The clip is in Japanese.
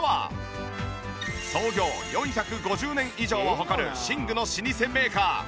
創業４５０年以上を誇る寝具の老舗メーカー。